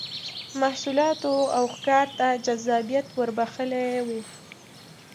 محصولاتو او ښکار ته جذابیت ور بخښلی و